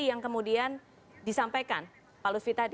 apa yang kemudian disampaikan pak luswi tadi